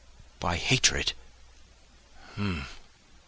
by hatred ... h'm!